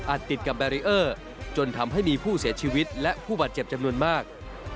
ติดกับแบรีเออร์จนทำให้มีผู้เสียชีวิตและผู้บาดเจ็บจำนวนมาก